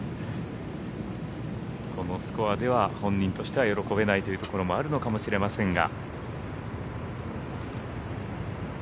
このスコアでは本人としては喜べないというところもあるのかもしれませんが。